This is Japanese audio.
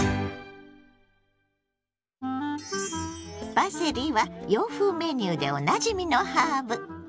パセリは洋風メニューでおなじみのハーブ。